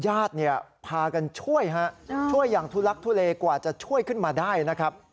ญาติเนี่ยพากันช่วยฮะช่วยอย่างทุลักทุเลกว่าจะช่วยขึ้นมาได้นะครับ